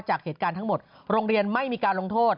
จากเหตุการณ์ทั้งหมดโรงเรียนไม่มีการลงโทษ